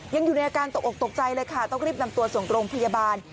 ยังอยู่ในอาการตกออกตกใจเลยค่ะต้องรีบนำตัวส่งโรงพยาบาล